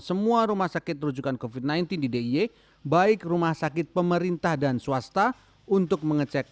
semua rumah sakit rujukan ke fitnah inti diy baik rumah sakit pemerintah dan swasta untuk mengecek